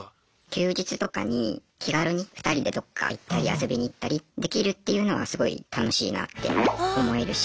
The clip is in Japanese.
休日とかに気軽に２人でどっか行ったり遊びに行ったりできるっていうのがすごい楽しいなって思えるし。